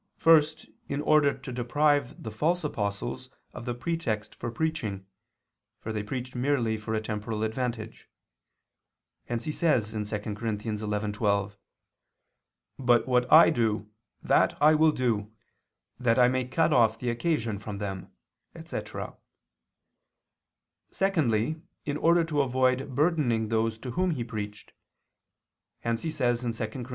First, in order to deprive the false apostles of the pretext for preaching, for they preached merely for a temporal advantage; hence he says (2 Cor. 11:12): "But what I do, that I will do that I may cut off the occasion from them," etc. Secondly, in order to avoid burdening those to whom he preached; hence he says (2 Cor.